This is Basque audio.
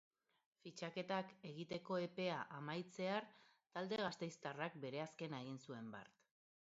Fitxaketak egiteko epea amaitzear talde gasteiztarrak bere azkena egin zuen bart.